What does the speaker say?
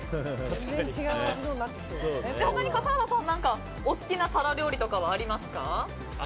他に、笠原さんがお好きなタラ料理とかはありますか？